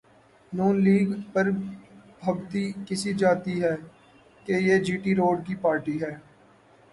نون league پر پھبتی کسی جاتی ہے کہ یہ جی ٹی روڈ کی پارٹی ہے۔